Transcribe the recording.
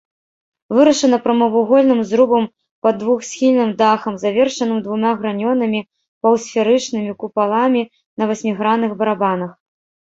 Вырашана прамавугольным зрубам пад двухсхільным дахам, завершаным двума гранёнымі паўсферычнымі купаламі на васьмігранных барабанах.